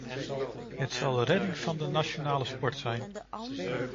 Het zal de redding van de nationale sport zijn.